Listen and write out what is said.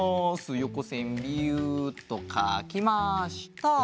よこせんビュっとかきました。